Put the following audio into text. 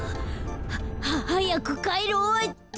ははやくかえろうっと。